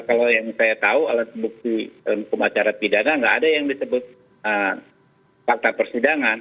kalau yang saya tahu alat bukti hukum acara pidana nggak ada yang disebut fakta persidangan